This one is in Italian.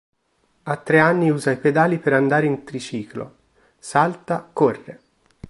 A tre anni usa i pedali per andare in triciclo, salta, corre.